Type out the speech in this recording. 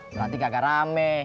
berarti nggak rame